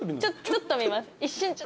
ちょっと見ます。